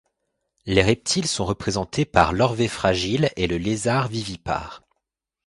Les reptiles sont représentés par l'Orvet fragile et le Lézard vivipare.